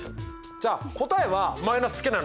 じゃあ答えはマイナスつけないのは何で？